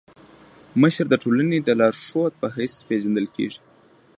مشر د ټولني د لارښود په حيث پيژندل کيږي.